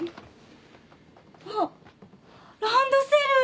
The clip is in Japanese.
あっランドセル。